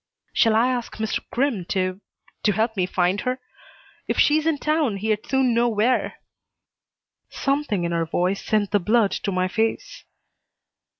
"Shall I ask Mr. Crimm to to help me find her? If she's in town he'd soon know where." Something in her voice sent the blood to my face.